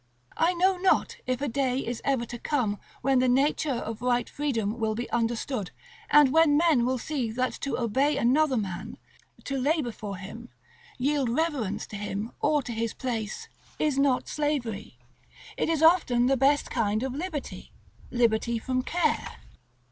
I know not if a day is ever to come when the nature of right freedom will be understood, and when men will see that to obey another man, to labor for him, yield reverence to him or to his place, is not slavery. It is often the best kind of liberty, liberty from care.